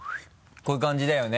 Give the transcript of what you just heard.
こういう感じだよね？